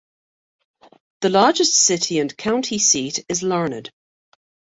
The largest city and county seat is Larned.